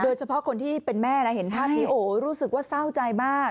โดยเฉพาะคนที่เป็นแม่นะเห็นภาพนี้โอ้โหรู้สึกว่าเศร้าใจมาก